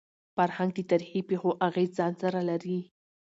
فرهنګ د تاریخي پېښو اغېز ځان سره لري.